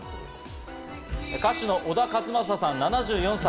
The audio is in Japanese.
歌手の小田和正さん、７４歳。